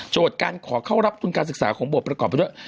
การขอเข้ารับทุนการศึกษาของบทประกอบไปด้วย